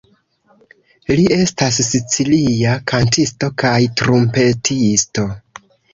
Li estas sicilia kantisto kaj trumpetisto.